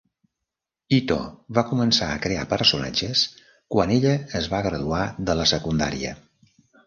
Ito va començar a crear personatges quan ella es va graduar de la secundària.